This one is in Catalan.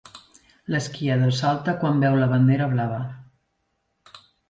L'esquiador salta quan veu la bandera blava.